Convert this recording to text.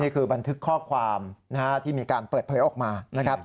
นี่คือบันทึกข้อความที่มีการเปิดเผยออกมา